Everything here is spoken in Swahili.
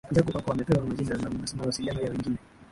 Jacob hakuwa amepewa majina na mawasiliano ya wengine